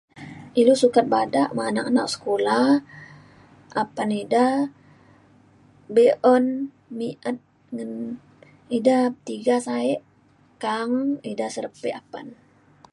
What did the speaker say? ilu sukat badak me anak-anak sekula apan ida be'un mi'et ngan ida tiga sa'ek ka'ang eda serepik apan.